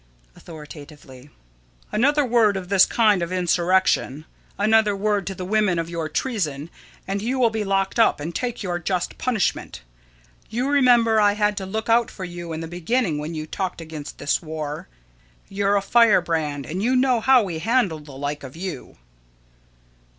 [Authoritatively.] Another word of this kind of insurrection, another word to the women of your treason, and you will be locked up and take your just punishment. You remember I had to look out for you in the beginning when you talked against this war. You're a firebrand, and you know how we handle the like of you.